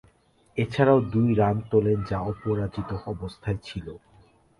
এছাড়াও দুই রান তোলেন যা অপরাজিত অবস্থায় ছিল।